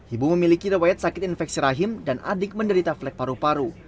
ibu memiliki rewayat sakit infeksi rahim dan adik menderita flek paru paru